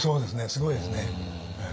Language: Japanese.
すごいですね。